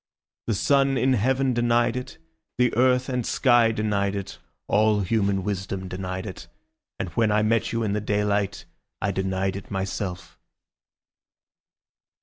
The sun in heaven denied it, the earth and sky denied it, all human wisdom denied it. And when I met you in the daylight I denied it myself."